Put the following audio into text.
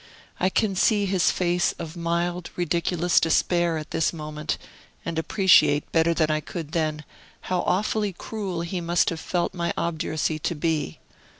I can see his face of mild, ridiculous despair, at this moment, and appreciate, better than I could then, how awfully cruel he must have felt my obduracy to be.